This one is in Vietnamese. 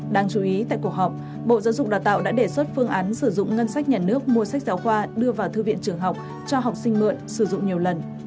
đáng chú ý tại cuộc họp bộ giáo dục đào tạo đã đề xuất phương án sử dụng ngân sách nhà nước mua sách giáo khoa đưa vào thư viện trường học cho học sinh mượn sử dụng nhiều lần